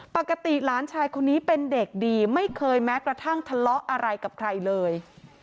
ปกติหลานชายคนนี้เป็นเด็กดีไม่เคยแม้กระทั่งทะเลาะอะไรกับใครเลย